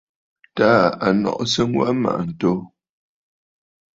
Taà à nɔʼɔ sɨŋ wa mmàʼà ǹto.